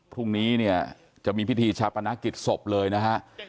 พรุ่งนี้เนี่ยจะมีพิธีชาปนกิจศพเลยนะฮะ